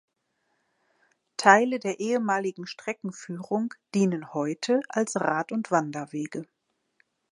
Teile der ehemaligen Streckenführung dienen heute als Rad- und Wanderwege.